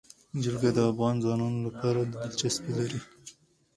جلګه د افغان ځوانانو لپاره دلچسپي لري.